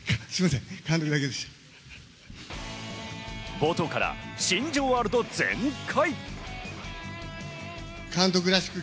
冒頭から新庄ワールド全開。